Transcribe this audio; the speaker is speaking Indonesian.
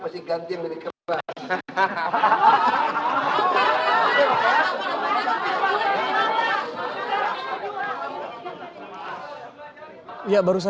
masih ganti yang lebih keras